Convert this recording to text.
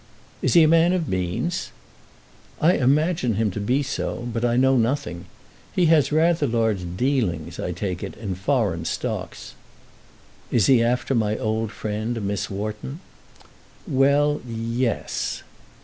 "Is he a man of means?" "I imagine him to be so; but I know nothing. He has rather large dealings, I take it, in foreign stocks. Is he after my old friend, Miss Wharton?" "Well; yes."